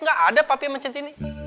gak ada papi sama centini